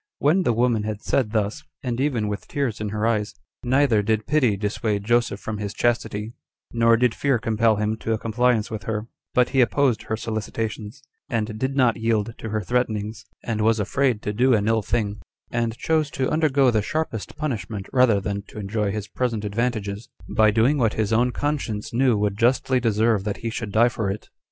4. When the woman had said thus, and even with tears in her eyes, neither did pity dissuade Joseph from his chastity, nor did fear compel him to a compliance with her; but he opposed her solicitations, and did not yield to her threatenings, and was afraid to do an ill thing, and chose to undergo the sharpest punishment rather than to enjoy his present advantages, by doing what his own conscience knew would justly deserve that he should die for it.